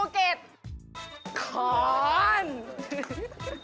เกษครบ